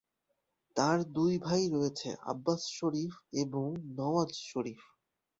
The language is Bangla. তার দুই ভাই রয়েছে, আব্বাস শরীফ, এবং নওয়াজ শরীফ।